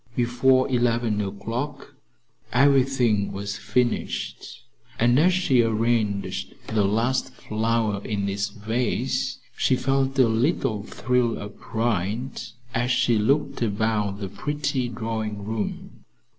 Before eleven o'clock everything was finished, and as she arranged the last flower in its vase she felt a little thrill of pride as she looked about the pretty drawing room.